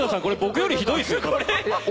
これ僕よりひどいっすよ。